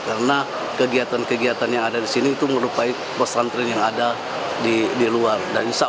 karena kegiatan kegiatan yang ada di sini itu merupakan pesantren yang ada di luar